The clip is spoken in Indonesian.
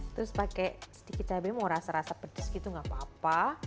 terus pakai sedikit cabai mau rasa rasa pedas gitu gak apa apa